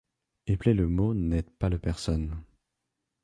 Épeler le mot n’aide pas la personne.